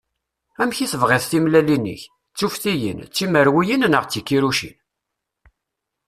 Amek i tebɣiḍ timellalin-ik? D tuftiyin, d timerwiyin neɣ d tikiṛucin?